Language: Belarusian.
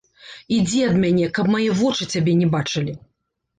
Ідзі ад мяне, каб мае вочы цябе не бачылі.